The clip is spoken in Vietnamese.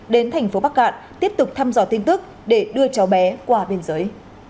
đến thành phố bắc cạn tiếp tục thăm dò tin tức để đưa cháu bé qua biên giới